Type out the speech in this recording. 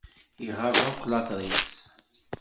Iɣab akk later-is.